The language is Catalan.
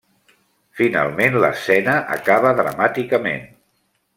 Finalment l'escena acaba dramàticament.